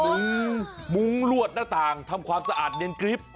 โอ้โหมุ้งลวดหน้าต่างทำความสะอาดเดี๋ยวกริป